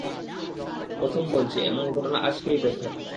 কসম বলছি, এমন ঘটনা আজকেই প্রথম।